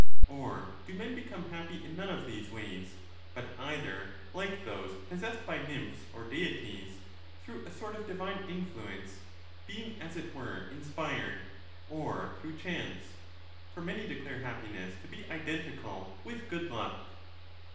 Or do men become happy in none of these ways, but either — like those possessed by nymphs or deities — through a sort of divine 25 influence, being as it were inspired, or through chance ? For many declare happiness to be identical with good luck.